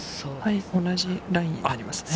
同じラインになりますね。